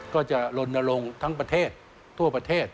ก็จะลนลงทั้งประเทศทั่วประเทศ